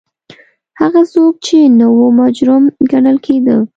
هغه څوک چې نه وو مجرم ګڼل کېده